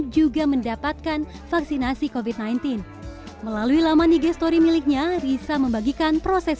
juga mendapatkan vaksinasi covid sembilan belas melalui laman nigestory miliknya risa membagikan proses